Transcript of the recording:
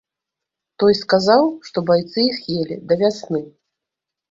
Той сказаў, што байцы іх елі да вясны.